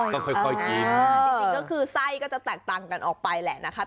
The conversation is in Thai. ก็ค่อยกินจริงก็คือไส้ก็จะแตกต่างกันออกไปแหละนะคะ